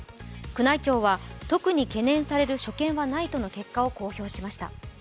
宮内庁は特に懸念される所見はないとの結果を公表しました。